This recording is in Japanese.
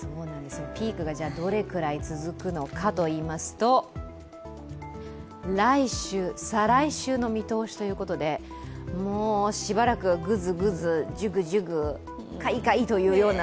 ピークがどれくらい続くのかといいますと来週、再来週の見通しということでもうしばらくはぐずぐずじゅぐじゅぐかいかいというような。